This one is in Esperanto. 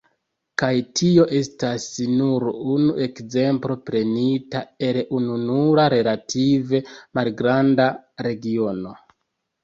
Kaj tio estas nur unu ekzemplo prenita el ununura relative malgranda regiono.